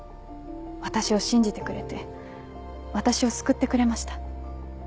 私を信じてくれて私を救ってくれました。